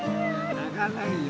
泣かないの。